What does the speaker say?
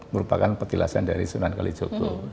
merupakan petilasan dari sunan kalijogo